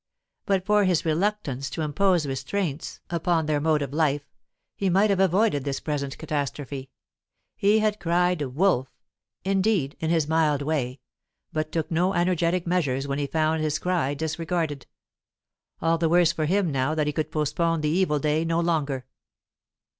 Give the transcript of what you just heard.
But for his reluctance to impose restraints upon their mode of life, he might have avoided this present catastrophe; he had cried "Wolf!" indeed, in his mild way, but took no energetic measures when he found his cry disregarded all the worse for him now that he could postpone the evil day no longer.